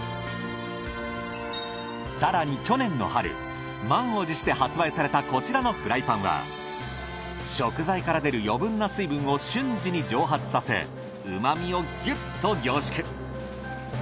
更に去年の春満を持して発売されたこちらのフライパンは食材から出る余分な水分を瞬時に蒸発させ旨みをギュッと凝縮。